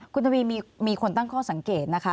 คุณทวีมีคนตั้งข้อสังเกตนะคะ